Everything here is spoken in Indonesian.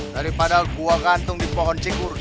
daripada gua gantung di pohon cikur